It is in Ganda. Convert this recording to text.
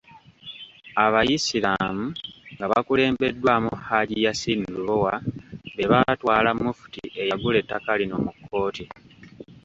Abayisiraamu nga bakulembeddwamu Hajji Yasin Lubowa be baatwala Mufti eyagula ettaka lino mu kkooti .